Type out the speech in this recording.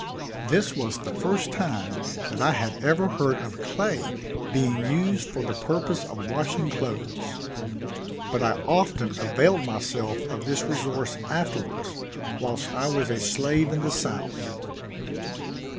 This was the first time that I had ever heard of clay being used for the purpose of washing clothes; but I often availed myself of this resource afterwards, whilst I was a slave in the south.